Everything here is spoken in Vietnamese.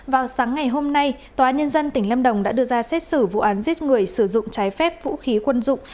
vào sáng ngày hôm nay tòa nhân dân tỉnh lâm đồng đã đưa ra xét xử vụ án giết người sử dụng trái phép vũ khí quân dụng